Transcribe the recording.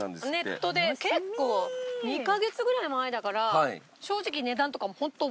ネットで結構２カ月ぐらい前だから正直値段とかもホント覚えてなくって。